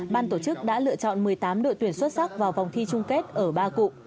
ban tổ chức đã lựa chọn một mươi tám đội tuyển xuất sắc vào vòng thi chung kết ở ba cụ